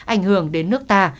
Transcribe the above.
ảnh hưởng đến nước ta